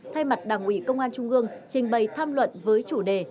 thay mặt đảng ủy công an trung ương trình bày tham luận với chủ đề